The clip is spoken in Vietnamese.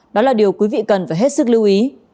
đó là điều quý vị cần phải hết sức lưu ý